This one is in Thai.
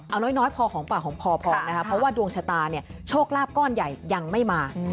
เอาน้อยพอหอมปากหอมคอพอนะคะเพราะว่าดวงชะตาเนี่ยโชคลาภก้อนใหญ่ยังไม่มา